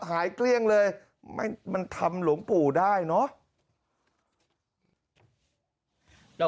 เกลี้ยงเลยมันทำหลวงปู่ได้เนอะ